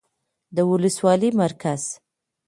، د ولسوالۍ مرکز